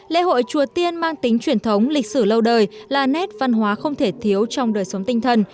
lễ hội chùa tiên mang tính truyền thống lịch sử lâu đời là nét văn hóa không thể thiếu trong đời sống tinh thần